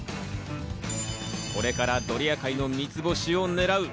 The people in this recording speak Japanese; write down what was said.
これからドリア界の三ツ星をねらう。